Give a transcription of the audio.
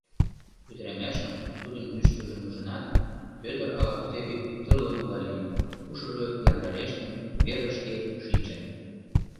Ӱдырамашым, тудын мӱшкыржым ужынат, Пӧтыр ала-кузе вик тырлымыла лийын, ушыжо яндарештын, верышке шинчын.